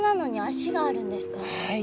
はい。